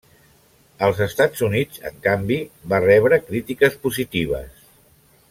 Als Estats Units, en canvi, va rebre crítiques positives.